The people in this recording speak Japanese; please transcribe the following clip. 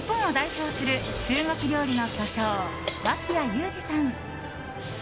日本を代表する中国料理の巨匠脇屋友詞さん。